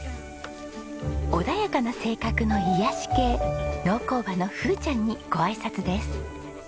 穏やかな性格の癒やし系農耕馬のふーちゃんにごあいさつです。